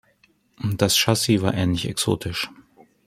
Das Chassis war ähnlich exotisch.